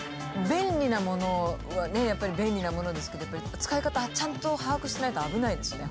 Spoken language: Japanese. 便利なものはねやっぱり便利なものですけど使い方ちゃんと把握してないと危ないですよね